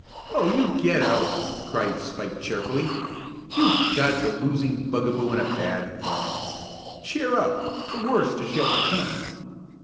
"Oh, you get out!" cried Spike cheerfully. "You've got the losing bugaboo in a bad form. Cheer up the worst is yet to come."